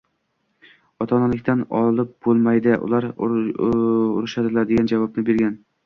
“ota-onamnikidan olib bo‘lmaydi, ular urishadilar” degan javobni bergan.